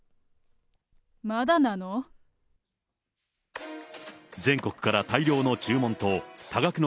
まだなの？